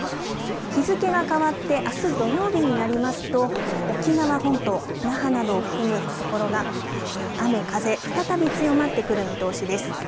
日付が変わってあす土曜日になりますと沖縄本島那覇などを含むところが雨風再び強まってくる見通しです。